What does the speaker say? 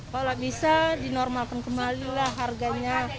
kalau bisa dinormalkan kembalilah harganya